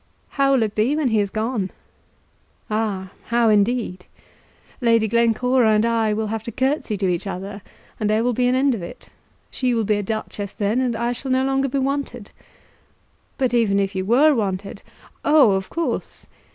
"How will it be when he has gone?" "Ah, how indeed? Lady Glencora and I will have to curtsey to each other, and there will be an end of it. She will be a duchess then, and I shall no longer be wanted." "But even if you were wanted ?" "Oh, of course.